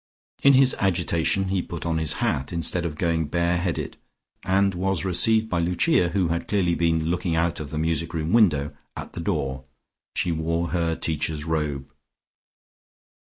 In his agitation he put on his hat, instead of going bareheaded and was received by Lucia, who had clearly been looking out of the music room window, at the door. She wore her Teacher's Robe.